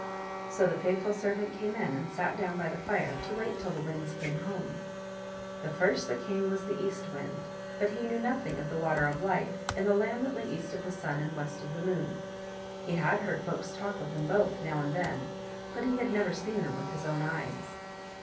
So the faithful servant came in and sat down by the fire to wait till the Winds came home. The first that came was the East Wind ; but he knew nothing of the Water of Life and the land that lay east of the Sun and west of the Moon ; he had heard folks talk of them both now and then, but he had never seen them with his own eyes.